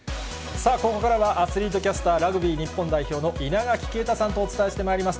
さあ、ここからはアスリートキャスター、ラグビー日本代表の稲垣啓太さんとお伝えしてまいります。